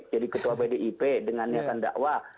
jadi ketua pdip dengan niatan dakwah